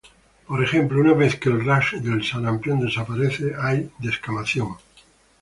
Por ejemplo, una vez que el rash del sarampión desaparece, hay descamación.